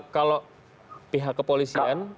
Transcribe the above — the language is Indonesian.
kalau pihak kepolisian